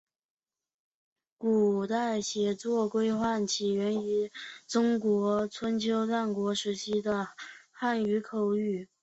古代写作规范起源自中国春秋战国时期的汉语口语。